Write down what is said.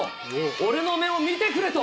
俺の目を見てくれと。